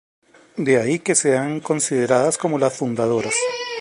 De ahí que sean consideradas como las fundadoras.